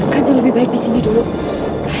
kanjeng lebih baik disini dulu